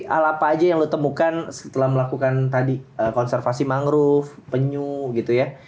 hal apa aja yang lo temukan setelah melakukan tadi konservasi mangrove penyu gitu ya